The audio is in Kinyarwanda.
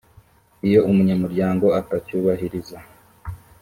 iyo umunyamuryango atacyubahiriza